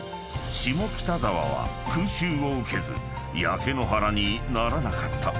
下北沢は空襲を受けず焼け野原にならなかった］